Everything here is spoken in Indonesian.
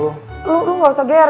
lo gak usah ger